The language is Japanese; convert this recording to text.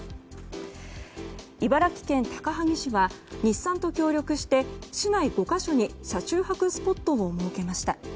茨城県高萩市は日産と協力して市内５か所に車中泊スポットを設けました。